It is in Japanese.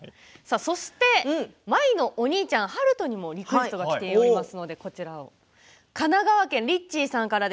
そして舞のお兄ちゃん悠人もリクエストがきています。